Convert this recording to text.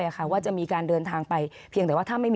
ขอบคุณครับ